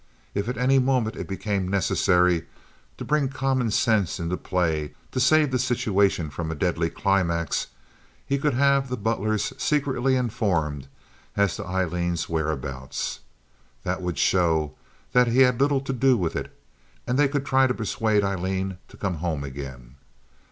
If at any moment it became necessary to bring common sense into play to save the situation from a deadly climax, he could have the Butlers secretly informed as to Aileen's whereabouts. That would show he had little to do with it, and they could try to persuade Aileen to come home again.